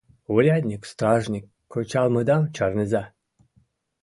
Урядник, стражник, кычалмыдам чарныза!